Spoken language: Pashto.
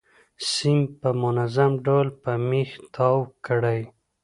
سیم په منظم ډول په میخ تاو کړئ.